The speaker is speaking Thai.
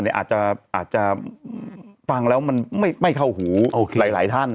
อาจจะฟังแล้วมันไม่เข้าหูหลายท่าน